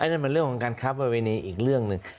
นั่นมันเรื่องของการค้าประเวณีอีกเรื่องหนึ่ง